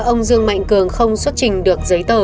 ông dương mạnh cường không xuất trình được giấy tờ